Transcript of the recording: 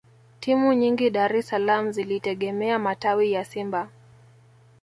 Timu nyingi Dar es salaam zilitegemea matawi ya Simba